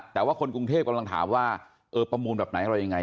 แต่ว่าคนกรุงเทพกำลังถามว่าเออประมูลแบบไหนอะไรยังไง